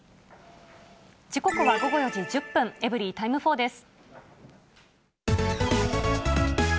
時刻は午後４時１０分、エブリィタイム４です。